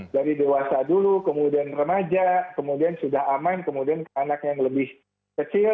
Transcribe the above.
dari dewasa dulu kemudian remaja kemudian sudah aman kemudian ke anak yang lebih kecil